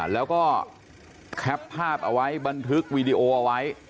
แล้วก็แคปภาพเอาไว้บันทึกวีดีโอเอาไว้